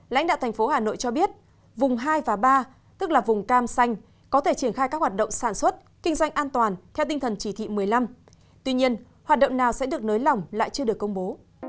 lãnh đạo thành phố hà nội cho biết vùng hai và ba tức là vùng cam xanh có thể triển khai các hoạt động sản xuất kinh doanh an toàn theo tinh thần chỉ thị một mươi năm tuy nhiên hoạt động nào sẽ được nới lỏng lại chưa được công bố